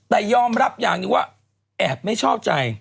แต่ยอมรับอย่างหนึ่งว่าแอบไม่ชอบใจ